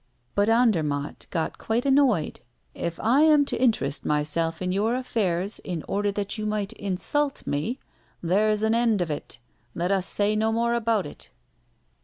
But Andermatt got quite annoyed. "If I am to interest myself in your affairs in order that you might insult me, there's an end of it let us say no more about it!"